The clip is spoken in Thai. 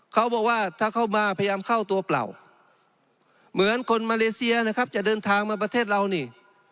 เขาบอกว่าถ้าเข้ามาพยายามเข้าตัวเปล่าเหมือนคนมาเลเซียนะครับจะเดินทางมาประเทศเรานี่